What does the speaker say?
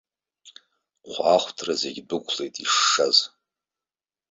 Хәаахәҭра зегь дәықәлеит ишшаз!